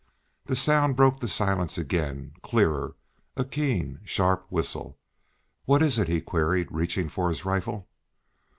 The sound broke the silence again, clearer, a keen, sharp whistle. "What is it?" he queried, reaching for his rifle.